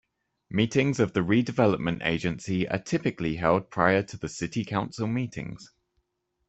Meetings of the Redevelopment Agency are typically held prior to the City Council Meetings.